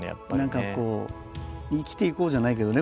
何かこう生きていこうじゃないけどね